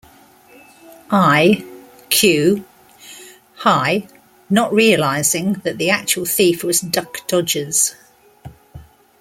I. Q. Hi, not realizing that the actual thief was Duck Dodgers.